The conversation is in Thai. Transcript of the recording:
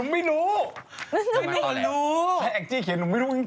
ไม่คุณเคยรู้